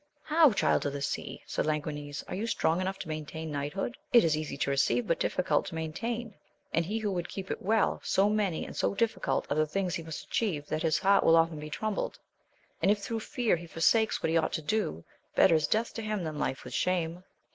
How, Child of the Sea ! said Languines, are you strong enough to maintain knight hood ? it is easy to receive, but difficult to maintain ; and he who would keep it well, so many and so diffi cult are the things he must achieve, that his heart will often be troubled ; and if, through fear, he for sakes what he ought to do, better is death to him than life with shame.